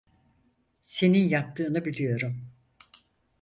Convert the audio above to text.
Senin yaptığını biliyorum.